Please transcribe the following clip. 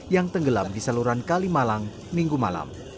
yang tenggelam di saluran kalimalang minggu malam